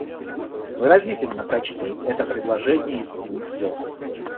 Выразительно прочти это предложение из семи слов.